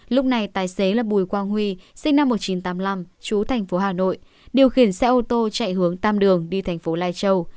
lúc này tài xế là bùi quang huy sinh năm một nghìn chín trăm tám mươi năm chú thành phố hà nội điều khiển xe ô tô chạy hướng tam đường đi thành phố lai châu